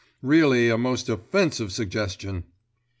Really a most offensive suggestion."